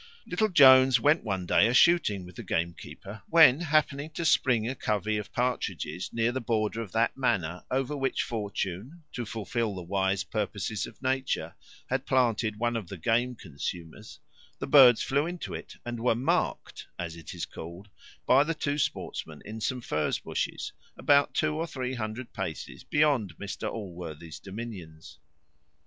Little Jones went one day a shooting with the gamekeeper; when happening to spring a covey of partridges near the border of that manor over which Fortune, to fulfil the wise purposes of Nature, had planted one of the game consumers, the birds flew into it, and were marked (as it is called) by the two sportsmen, in some furze bushes, about two or three hundred paces beyond Mr Allworthy's dominions.